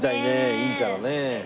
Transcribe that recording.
いいからね。